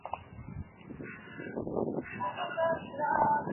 Fue posteriormente puesto en libertad debido a negociaciones entre Rocafuerte y Flores.